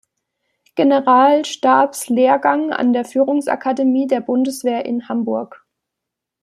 Generalstabslehrgang an der Führungsakademie der Bundeswehr in Hamburg.